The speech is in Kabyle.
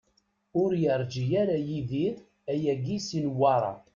Ur yerǧi ara Yidir ayagi si Newwara.